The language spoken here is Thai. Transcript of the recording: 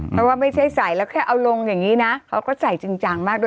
เพราะว่าไม่ใช่ใส่แล้วแค่เอาลงอย่างนี้นะเขาก็ใส่จริงจังมากด้วย